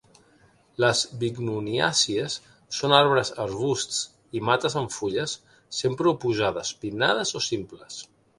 Les bignoniàcies són arbres, arbusts i mates amb fulles sempre oposades, pinnades o simples.